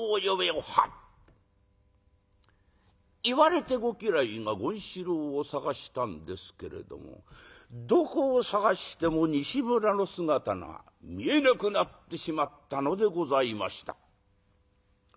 言われてご家来が権四郎を捜したんですけれどもどこを捜しても西村の姿が見えなくなってしまったのでございました。